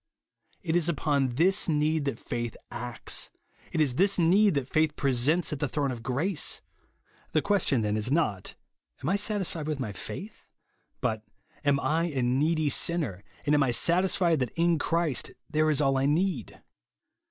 It is upon this need that faith acts ; it is this need that faith presents at the throne of grace. The question, then, is not. Am I satisfied with my faith ? but, Am 1 a needy sinner, and am I satisfied that in Christ there is all I need